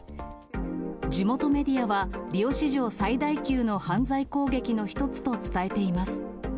地元メディアは、リオ史上最大級の犯罪攻撃の１つと伝えています。